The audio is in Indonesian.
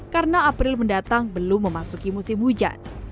karena april mendatang belum memasuki musim hujan